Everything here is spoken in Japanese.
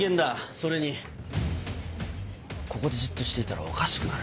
それにここでじっとしていたらおかしくなる。